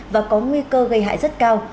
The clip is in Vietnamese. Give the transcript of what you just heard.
và có nguy cơ gây hại rất cao